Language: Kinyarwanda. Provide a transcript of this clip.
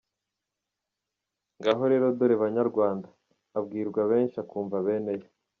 Ngaho rero dore banyarwanda, “abwirwa benshi akumva bene yo”.